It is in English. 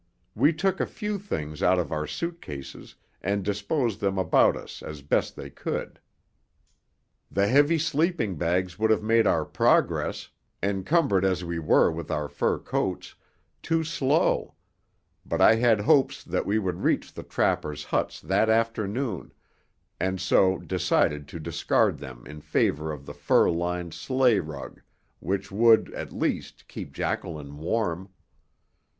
We took a few things out of our suit cases and disposed them about us as best they could. The heavy sleeping bags would have made our progress, encumbered as we were with our fur coats, too slow; but I had hopes that we would reach the trappers' huts that afternoon, and so decided to discard them in favour of the fur lined sleigh rug, which would, at least, keep Jacqueline warm.